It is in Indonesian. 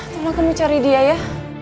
karena kamu cari dia ya